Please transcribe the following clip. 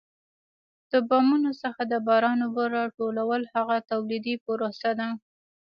د بامونو څخه د باران اوبه را ټولول هغه تولیدي پروسه ده.